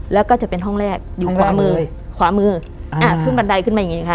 แล้วก็จะเป็นห้องแรกอยู่ขวามือขวามืออ่าขึ้นบันไดขึ้นมาอย่างงีนะคะ